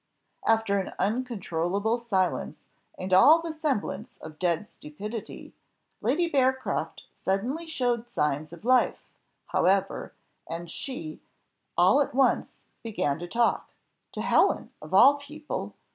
After an unconquerable silence and all the semblance of dead stupidity, Lady Bearcroft suddenly showed signs of life, however, and she, all at once, began to talk to Helen of all people!